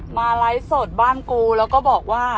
ไลฟ์สดบ้านกูแล้วก็บอกว่า